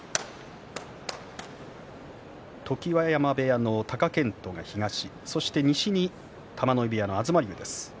常盤山部屋の貴健斗が東そして西に玉ノ井部屋の東龍です。